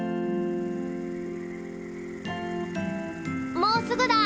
もうすぐだ。